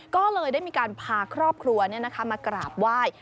ก็เลยได้มีการพาครอบครัวเนี่ยนะคะมากราบไหว้